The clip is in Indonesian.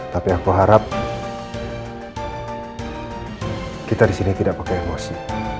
tapi aku harap kita disini tidak pakai emosi